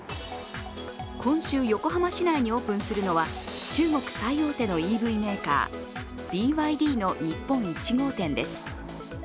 今週、横浜市内にオープンするのは、中国最大手のＥＶメーカーＢＹＤの日本１号店です。